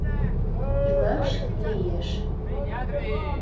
Илаш лиеш.